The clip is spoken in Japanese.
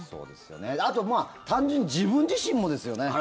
あと、単純に自分自身もですよね。